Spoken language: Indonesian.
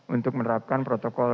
untuk menerapkan protokol